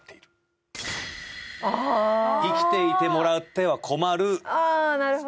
生きていてもらっては困る臓器。